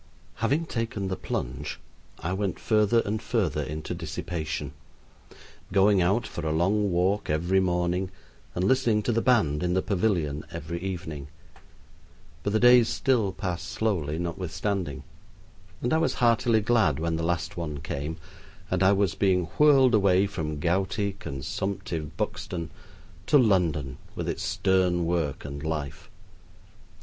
Having taken the plunge, I went further and further into dissipation, going out for a long walk every morning and listening to the band in the pavilion every evening. But the days still passed slowly notwithstanding, and I was heartily glad when the last one came and I was being whirled away from gouty, consumptive Buxton to London with its stern work and life.